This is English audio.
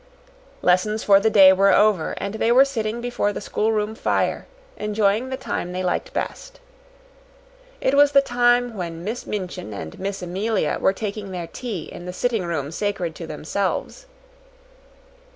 Lessons for the day were over, and they were sitting before the schoolroom fire, enjoying the time they liked best. It was the time when Miss Minchin and Miss Amelia were taking their tea in the sitting room sacred to themselves.